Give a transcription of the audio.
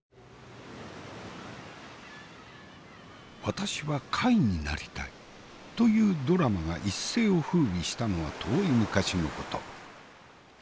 「私は貝になりたい」というドラマが一世をふうびしたのは遠い昔のこと。